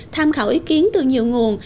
tham khảo ý kiến từ nhiều nguồn